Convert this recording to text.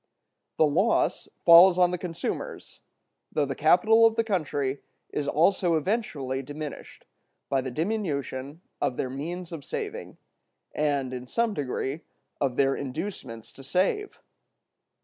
The loss falls on the consumers; though the capital of the country is also eventually diminished, by the diminution of their means of saving, and, in some degree, of their inducements to save.